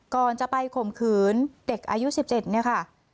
ก่อนจะไปข่มขืนเด็กอายุ๑๗เนี่ยค่ะ